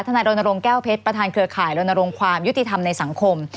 นายรณรงค์แก้วเพชรประธานเครือข่ายรณรงค์ความยุติธรรมในสังคม